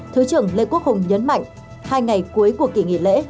thứ trưởng lê quốc hùng nhấn mạnh hai ngày cuối của kỳ nghỉ lễ